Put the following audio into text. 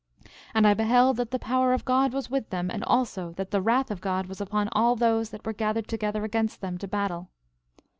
13:18 And I beheld that the power of God was with them, and also that the wrath of God was upon all those that were gathered together against them to battle.